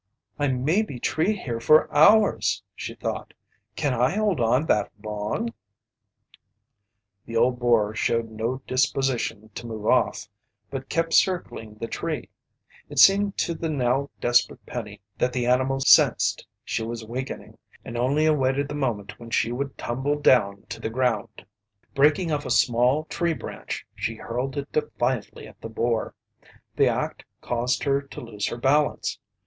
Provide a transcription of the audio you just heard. "I may be treed here for hours!" she thought. "Can I hold on that long?" The old boar showed no disposition to move off, but kept circling the tree. It seemed to the now desperate Penny, that the animal sensed she was weakening and only awaited the moment when she would tumble down to the ground. Breaking off a small tree branch she hurled it defiantly at the boar. The act caused her to lose her balance.